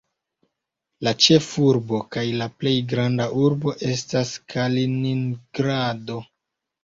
La ĉefurbo kaj la plej granda urbo estas Kaliningrado.